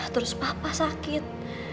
terus papa sakit